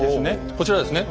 こちらですね